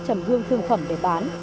trầm hương thương phẩm để bán